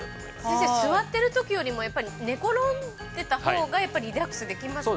◆先生、座ってるときより、やっぱり寝転んでたほうがリラックスできますね。